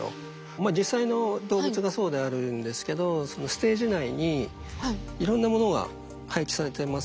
まあ実際の動物がそうであるんですけどそのステージ内にいろんなものが配置されてますよね。